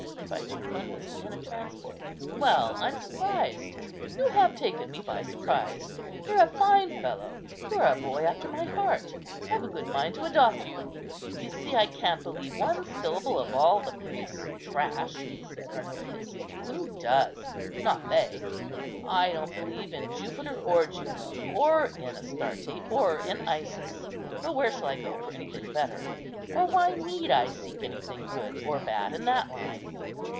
cried Jucundus in a transport; "well, I'm surprised; you have taken me by surprise. You're a fine fellow; you are a boy after my heart. I've a good mind to adopt you." "You see I can't believe one syllable of all the priests' trash," said Arnobius; "who does? not they. I don't believe in Jupiter or Juno, or in Astarte or in Isis; but where shall I go for anything better? or why need I seek anything good or bad in that line?